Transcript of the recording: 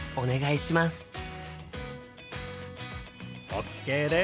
ＯＫです！